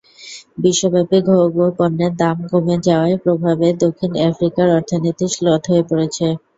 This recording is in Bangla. বিশ্বব্যাপী ভোগ্যপণ্যের দাম কমে যাওয়ার প্রভাবে দক্ষিণ আফ্রিকার অর্থনীতি শ্লথ হয়ে পড়েছে।